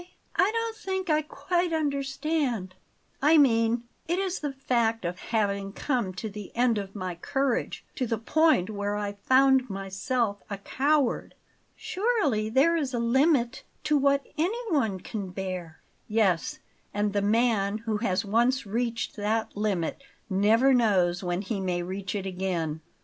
"I don't think I quite understand." "I mean, it is the fact of having come to the end of my courage, to the point where I found myself a coward." "Surely there is a limit to what anyone can bear." "Yes; and the man who has once reached that limit never knows when he may reach it again."